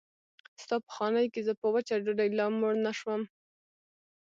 ستا په خانۍ کې زه په وچه ډوډۍ لا موړ نه شوم.